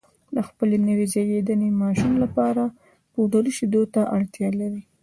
د خپل نوي زېږېدلي ماشوم لپاره پوډري شیدو ته اړتیا لري